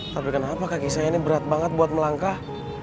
tapi kenapa kaki saya ini berat banget buat melangkah